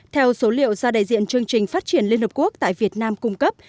theo số liệu do đại diện chương trình phát triển liên hợp quốc tại việt nam cung cấp